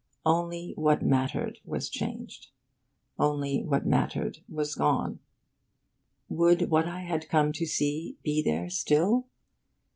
Only what mattered was changed. Only what mattered was gone. Would what I had come to see be there still?